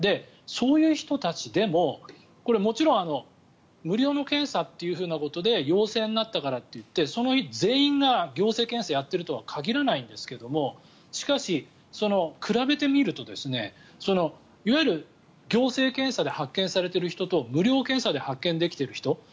そういう人たちでももちろん無料の検査ということで陽性になったからといってその日に全員が行政検査をやっているとは限らないんですけどしかし、比べてみるといわゆる行政検査で発見されている人と無料検査で発見できている人。